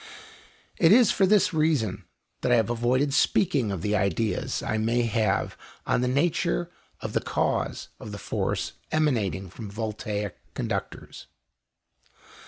It is for this reason that I have avoided speaking of the ideas I may have on the nature of the cause of the force emanating from voltaic conductors."